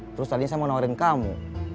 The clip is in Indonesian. terus tadi saya mau nawarin kamu